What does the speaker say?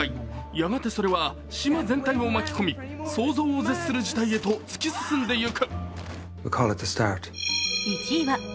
やがてそれは島全体を巻き込み想像を絶する事態へと突き進んでいく。